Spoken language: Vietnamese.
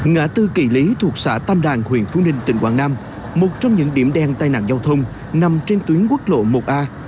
ngã tư kỳ lý thuộc xã tam đàn huyện phú ninh tỉnh quảng nam một trong những điểm đen tai nạn giao thông nằm trên tuyến quốc lộ một a